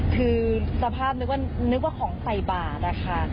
คือสภาพนึกว่าของใส่บาทอะค่ะ